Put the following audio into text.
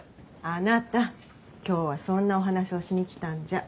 あなた今日はそんなお話をしに来たんじゃ。